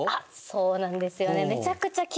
そうなんですよね